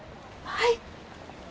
はい。